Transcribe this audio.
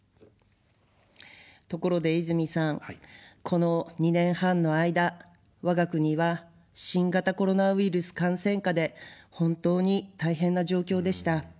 ところで泉さん、この２年半の間、我が国は新型コロナウイルス感染禍で本当に大変な状況でした。